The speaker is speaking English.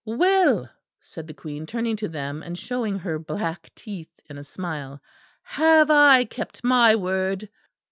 "Well," said the Queen, turning to them and showing her black teeth in a smile. "Have I kept my word?"